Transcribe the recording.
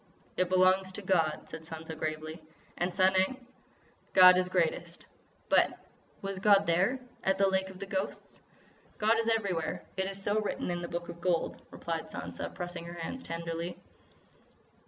"It belongs to God," said Sansa gravely. "And—Sanang?" "God is greatest." "But—was God there—at the Lake of the Ghosts?" "God is everywhere. It is so written in the Book of Gold," replied Sansa, pressing her hands tenderly.